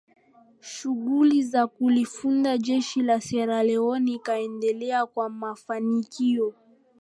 Shughuli za kulifunda jeshi la Sierra Leon ikaendelea kwa mafanikio